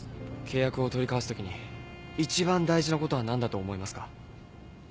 契約を取り交わすときに一番大事なことは何だと思いますか？